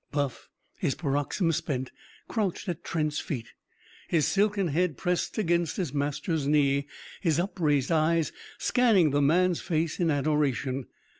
Buff, his paroxysm spent, crouched at Trent's feet, his silken head pressed against his master's knee, his upraised eyes scanning the man's face in adoration.